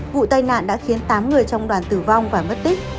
vụ tai nạn đã khiến tám người trong đoàn tử vong và mất tích